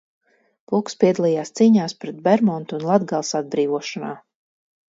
Pulks piedalījās cīņās pret Bermontu un Latgales atbrīvošanā.